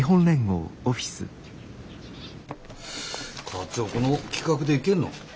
課長この規格でいけんの？